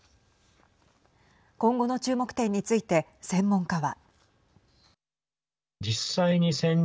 今後の注目点について専門家は。